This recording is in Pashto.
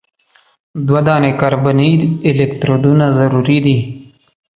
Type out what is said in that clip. دوه دانې کاربني الکترودونه ضروري دي.